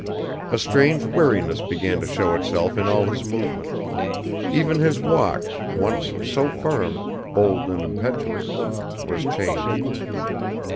A strange weariness began to show itself in all his movements; even his walk, once so firm, bold and impetuous, was changed.